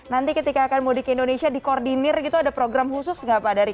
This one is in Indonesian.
nanti ketika akan mudik indonesia dikoordinir gitu ada program khusus nggak pak dari